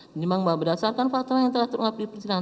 menimbang bahwa berdasarkan fakta yang telah terungkap di persidangan